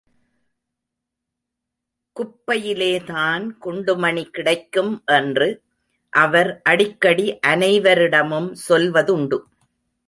குப்பையிலேதான் குண்டுமணி கிடைக்கும் என்று அவர் அடிக்கடி அனைவரிடமும் சொல்வதுண்டு.